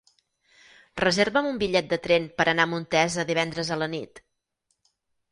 Reserva'm un bitllet de tren per anar a Montesa divendres a la nit.